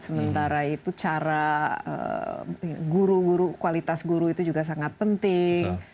sementara itu cara guru guru kualitas guru itu juga sangat penting